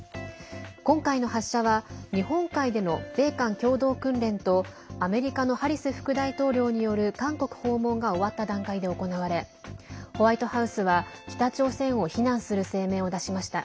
今回の発射は日本海での米韓共同訓練とアメリカのハリス副大統領による韓国訪問が終わった段階で行われホワイトハウスは北朝鮮を非難する声明を出しました。